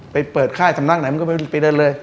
ไปเปิดค่ายสำนักไหนมึงก็ไปเรียนเลย